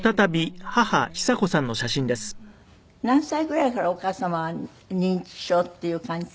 何歳ぐらいからお母様は認知症っていう感じ？